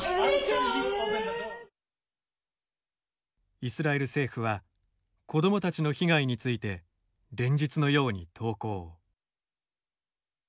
イスラエル政府は子どもたちの被害について連日のように投稿。